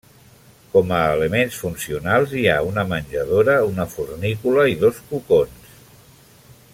Com a elements funcionals hi ha una menjadora, una fornícula i dos cocons.